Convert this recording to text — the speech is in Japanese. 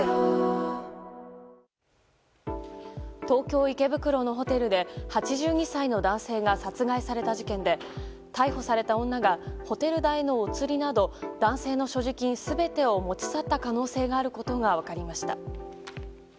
東京・池袋のホテルで８２歳の男性が殺害された事件で逮捕された女がホテル代のお釣りなど男性の所持金、全てを持ち去った可能性があることが分かりました。